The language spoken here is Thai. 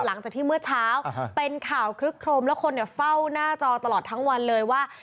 หลังจากที่เมื่อเช้าเป็นข่าวคลึกโครมแล้วคนเฝ้าหน้าจอตลอดทั้งวันเลยว่า